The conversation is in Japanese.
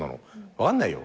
分かんないよ。